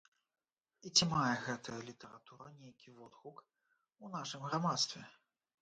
І ці мае гэтая літаратура нейкі водгук у нашым грамадстве.